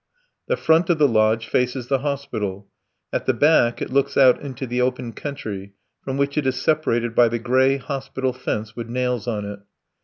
The front of the lodge faces the hospital; at the back it looks out into the open country, from which it is separated by the grey hospital fence with nails on it.